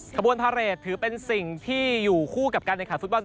ขบวนพาเรทถือเป็นสิ่งที่อยู่คู่กับการแข่งขันฟุตบอล